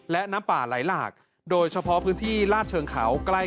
และน้ำป่าไหลหลากโดยเฉพาะพื้นที่ลาดเชิงเขาใกล้